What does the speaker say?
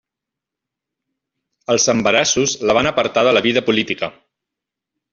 Els embarassos la van apartar de la vida política.